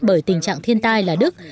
bởi tình trạng thiên tai là đức